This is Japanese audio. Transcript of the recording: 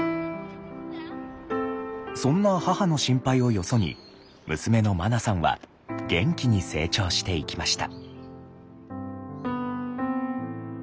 そんな母の心配をよそに娘のまなさんは元気に成長していきました。